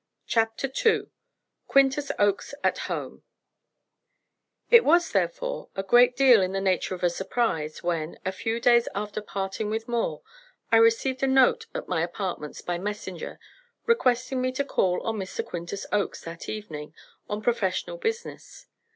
CHAPTER II Quintus Oakes at Home It was, therefore, a great deal in the nature of a surprise when, a few days after parting with Moore, I received a note at my apartments by messenger requesting me to call on Mr. Quintus Oakes that evening on professional business.